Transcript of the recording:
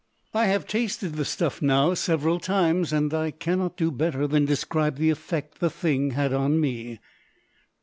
I have tasted the stuff now several times, and I cannot do better than describe the effect the thing had on me.